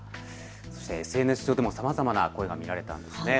そしてＳＮＳ上でもさまざまな声が見られたんです。